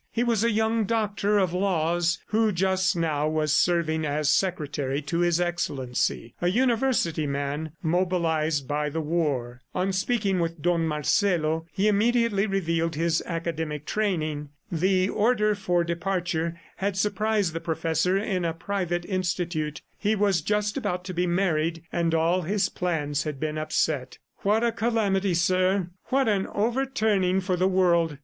He was a young Doctor of Laws who just now was serving as secretary to His Excellency a university man mobilized by the war. On speaking with Don Marcelo, he immediately revealed his academic training. The order for departure had surprised the professor in a private institute; he was just about to be married and all his plans had been upset. "What a calamity, sir! ... What an overturning for the world!